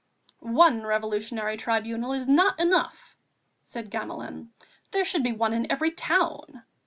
"One Revolutionary Tribunal is not enough," said Gamelin, "there should be one in every town